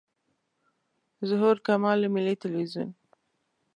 ظهور کمال له ملي تلویزیون.